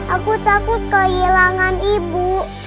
aku takut kehilangan ibu